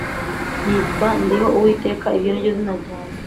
Nitwa ndiho uwiteka Iryo ni ryo zina ryanjye